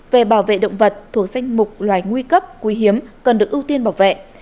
về bảo vệ động vật thuộc danh mục loài nguy cấp quý hiếm cần được ưu tiên bảo vệ